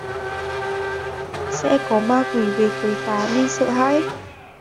sẽ có ma quỷ về quấy phá nên sợ hãi